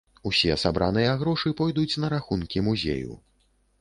Усе сабраныя грошы пойдуць на рахункі музею.